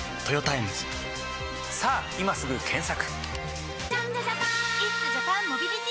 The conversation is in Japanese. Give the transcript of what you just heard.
さぁ今すぐ検索！